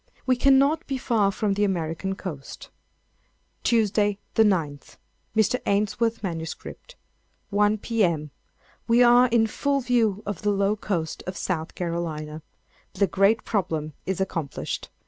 We cannot be far from the American coast. "Tuesday, the 9_th_. [Mr. Ainsworth's MS.] One, P.M. We are in full view of the low coast of South Carolina. The great problem is accomplished.